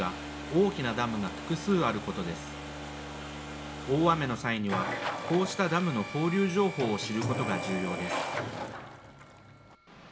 大雨の際にはこうしたダムの放流情報を知ることが重要です。